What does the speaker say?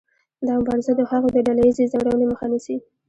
دا مبارزه د هغوی د ډله ایزې ځورونې مخه نیسي.